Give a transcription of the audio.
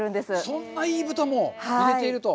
そんないい豚も入れていると。